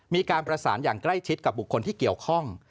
มีการประสานอย่างใกล้ชิดกับบุคคลที่เกี่ยวข้อง